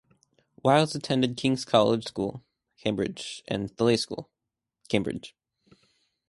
Wiles attended King's College School, Cambridge, and The Leys School, Cambridge.